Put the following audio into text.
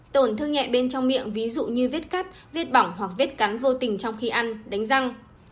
tổn thương nhẹ bên trong miệng ví dụ như vết cắt vết bỏng hoặc vết cắn vô tình trong khi ăn đánh răng